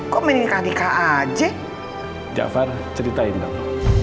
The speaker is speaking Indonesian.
kok menikah nikah aja jafar ceritain dong